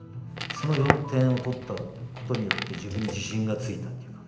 その４点を取ったことによって自分に自信がついたっていうか。